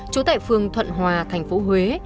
trú tại phương thuận hòa thành phố huế